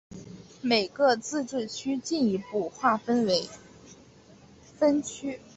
每个自治区进一步划分为分区。